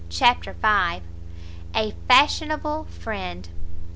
CHAPTER v A FASHIONABLE FRIEND.